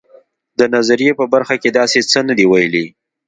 د نظریې په برخه کې داسې څه نه دي ویلي.